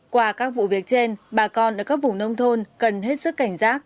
qua các vụ việc trên bà con ở các vùng nông thôn cần hết sức cảnh giác